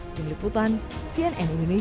diliputan cnn indonesia